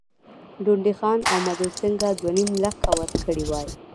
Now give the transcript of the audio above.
ډونډي خان او مدو سینګه دوه نیم لکه ورکړي وای.